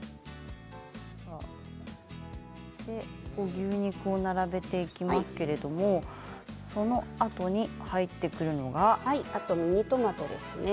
牛肉を並べていきますけれどもそのあとに入ってくるのがあとミニトマトですね。